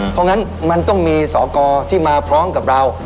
เพราะงั้นมันต้องมีสอกรที่มาพร้อมกับเรา